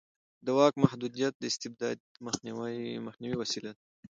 د واک محدودیت د استبداد د مخنیوي وسیله ده